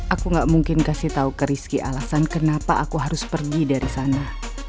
aku gak mungkin kasih tahu ke rizky alasan kenapa aku harus pergi dari sana